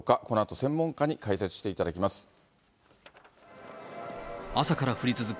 このあと専門家に解説していただきます。